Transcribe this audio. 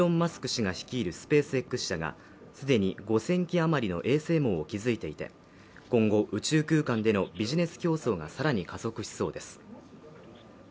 氏が率いるスペースＸ社がすでに５０００基余りの衛星網を築いていて今後宇宙空間でのビジネス競争がさらに加速しそうです